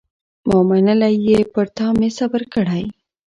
ما منلی یې پر تا مي صبر کړی